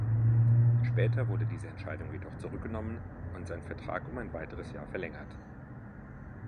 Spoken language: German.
Später wurde diese Entscheidung jedoch zurückgenommen und sein Vertrag um ein weiteres Jahr verlängert.